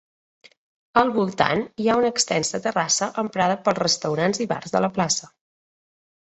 Al voltant, hi ha una extensa terrassa emprada pels restaurants i bars de la plaça.